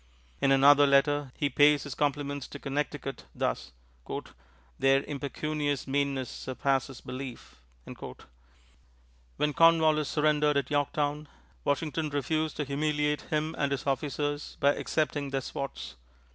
In another letter he pays his compliments to Connecticut thus: "Their impecunious meanness surpasses belief." When Cornwallis surrendered at Yorktown, Washington refused to humiliate him and his officers by accepting their swords.